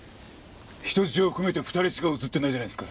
人質を含めて２人しか映ってないじゃないですか。